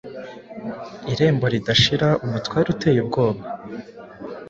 Irembo ridashira 'umutware uteye ubwoba